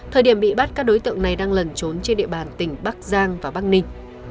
thời điểm bị bắt các đối tượng này đang lẩn trốn trên địa bàn tỉnh bắc giang và bắc ninh